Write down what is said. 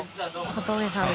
小峠さんだ。